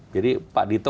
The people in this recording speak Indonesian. jadi pak dito